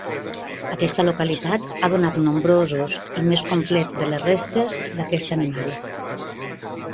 Aquesta localitat ha donat nombrosos i més complet de les restes d'aquest animal.